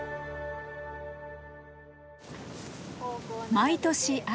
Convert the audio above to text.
毎年秋。